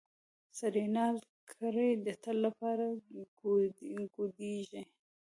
سړی نال کړې د تل لپاره ګوډیږي.